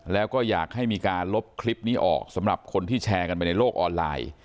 แล้วก็อยากให้มีการลบคลิปนี้ออกสำหรับคนที่แชร์กันไปในโลกออนไลน์